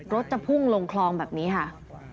จะพุ่งลงคลองแบบนี้ค่ะ